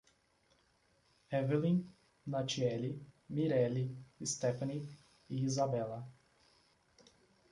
Evellyn, Natieli, Mireli, Sthefany e Izabella